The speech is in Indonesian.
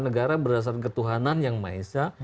negara berdasarkan ketuhanan yang maesah